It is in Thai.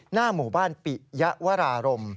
หน้าหมู่บ้านปิยะวรารม